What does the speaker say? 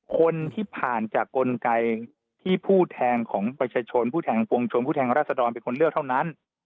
คนที่ผ่านจากกลไกที่ผู้แทนของประชาชนผู้แทนปวงชนผู้แทนรัศดรเป็นคนเลือกเท่านั้น